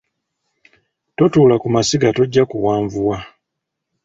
Totuula ku masiga, tojja kuwanvuwa